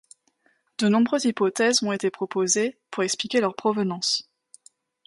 De nombreuses hypothèses ont été proposées pour expliquer leur provenance.